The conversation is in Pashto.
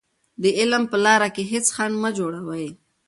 د علم په لاره کې هېڅ خنډ مه جوړوئ.